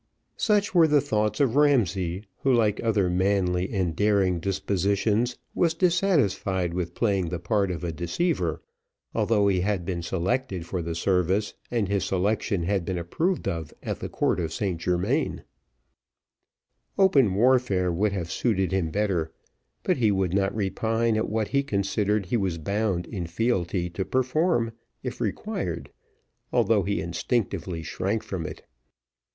Such were the thoughts of Ramsay, who like other manly and daring dispositions, was dissatisfied with playing the part of a deceiver, although he had been selected for the service, and his selection had been approved of at the Court of St Germains. Open warfare would have suited him better; but he would not repine at what he considered he was bound in fealty to perform, if required, although he instinctively shrank from it.